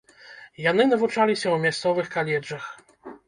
Яны навучаліся ў мясцовых каледжах.